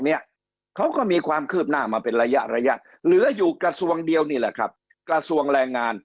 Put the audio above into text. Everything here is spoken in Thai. เนี่ยเขาก็มีความคืบหน้ามาเป็นระยะระยะเหลืออยู่กระทรวงเดียวนี่แหละครับกระทรวงแรงงาน